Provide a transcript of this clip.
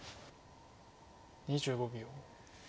２５秒。